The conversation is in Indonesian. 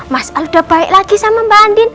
mas udah baik lagi sama mbak andin